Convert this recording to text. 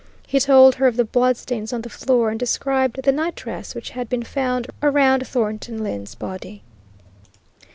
He told her of the bloodstains on the floor, and described the night dress which had been found around Thornton Lyne's body.